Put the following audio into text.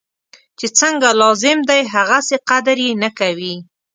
چی څنګه لازم دی هغسې قدر یې نه کوي.